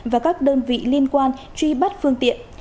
và các đơn vị liên quan truy bắt phương tiện